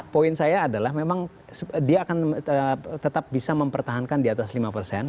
poin saya adalah memang dia akan tetap bisa mempertahankan di atas lima persen